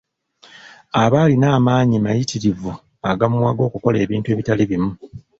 Aba alina amaanyi mayitirivu agamuwaga okukola ebintu ebitali bimu.